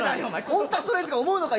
コンタクトレンズが思うのか？